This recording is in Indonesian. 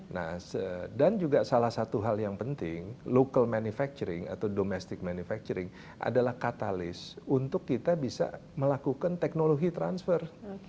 nah dan juga salah satu hal yang penting local manufacturing atau domestic manufacturing adalah katalis untuk kita bisa melakukan teknologi transfer